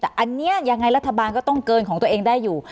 แต่อันนี้ยังไงรัฐบาลก็ต้องเกินของตัวเองได้อยู่